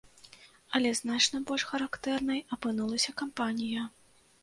Але значна больш характэрнай апынулася кампанія.